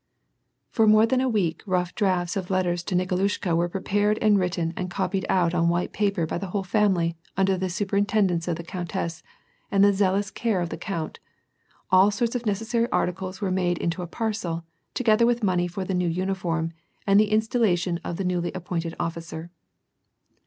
For more than a week rough drafts of letters to Niko lushka were prepared and written and coi)ied out on white paper by the whole family under the superintendence of the countess and the zealous care of the count, all sorts of neces saiy articles were made into a parcel, together with money for the new uniform, and the installation of the newly appointed oiBcer.